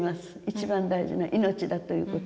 一番大事なのは命だということ。